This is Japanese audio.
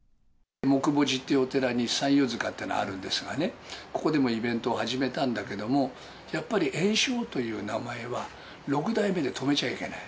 木母寺というお寺に、三遊塚ってのがあるんですがね、ここでもイベントを始めたんだけれども、やっぱり圓生という名前は、六代目で止めちゃいけない。